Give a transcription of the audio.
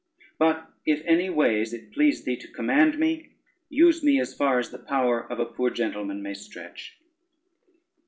But if anyways it please thee to command me, use me as far as the power of a poor gentleman may stretch."